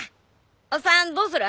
おっさんどうする？